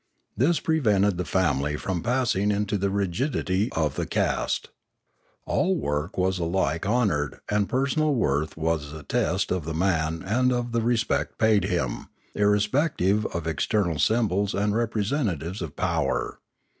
This prevented the family from passing into the rigidity of the caste. All work was alike honoured, and personal worth was the test of the man and of the respect paid him, irrespective of external symbols and representatives of power.